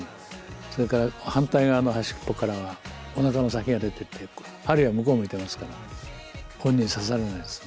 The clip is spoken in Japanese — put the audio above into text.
それから反対側の端っこからはおなかの先が出てて針が向こう向いてますから本人刺されないで済む。